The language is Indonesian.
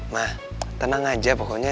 ma tenang aja pokoknya